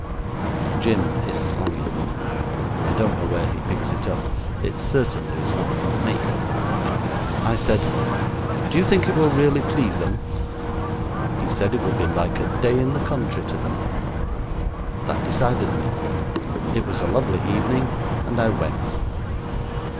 Jim is slangy. I don't know where he picks it up. It certainly is not from me. I said: "Do you think it will really please 'em?" He said it would be like a day in the country to them. That decided me. It was a lovely evening and I went.